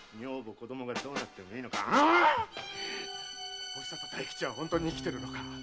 えっ⁉おひさと大吉は本当に生きてるのか？